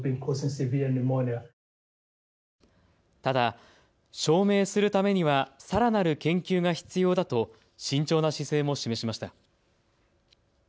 ただ、証明するためにはさらなる研究が必要だと慎重な姿勢も示しました。